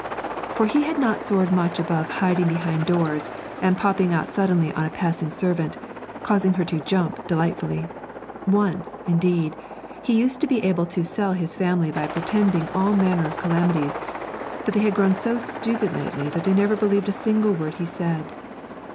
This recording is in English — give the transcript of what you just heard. For he had not soared much above hiding behind doors, and popping out suddenly on a passing servant, causing her to 'jump' delightfully; once, indeed, he used to be able to 'sell' his family by pretending all manner of calamities, but they had grown so stupid lately that they never believed a single word he said.